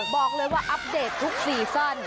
บอกเลยว่าอัปเดตทุกซีซั่น